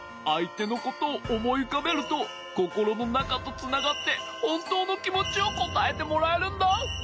あいてのことをおもいうかべるとココロのなかとつながってほんとうのきもちをこたえてもらえるんだ。